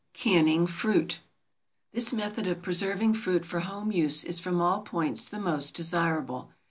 CANNING FRUIT. This method of preserving fruit for home use is from all points the most desirable.